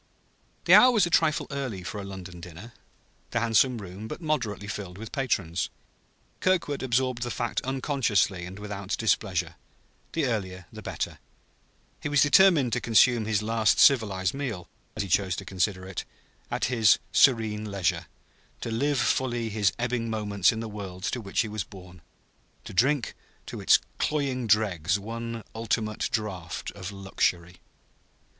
The hour was a trifle early for a London dinner, the handsome room but moderately filled with patrons. Kirkwood absorbed the fact unconsciously and without displeasure; the earlier, the better: he was determined to consume his last civilized meal (as he chose to consider it) at his serene leisure, to live fully his ebbing moments in the world to which he was born, to drink to its cloying dregs one ultimate draught of luxury.